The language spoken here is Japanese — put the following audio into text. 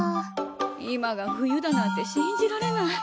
今が冬だなんて信じられない。